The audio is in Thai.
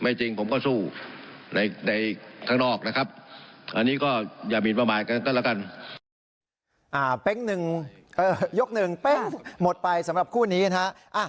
เป็นยกหนึ่งเป้งหมดไปสำหรับคู่นี้นะฮะ